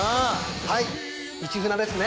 はい市船ですね